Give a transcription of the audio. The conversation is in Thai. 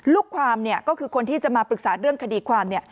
ลูกความก็คือคนที่จะมาปรึกษาเรื่องคดีความ